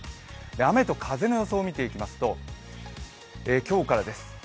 雨と風の予想を見ていきますと、今日からです。